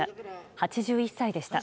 ８１歳でした。